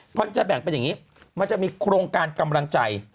พอจะแบ่งเป็นอย่างนี้มันจะมีโครงการกำลังใจ